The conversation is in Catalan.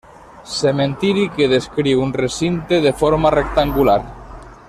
Cementiri que descriu un recinte de forma rectangular.